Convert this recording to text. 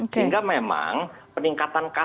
sehingga memang peningkatan kasus